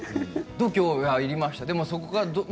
度胸いりました。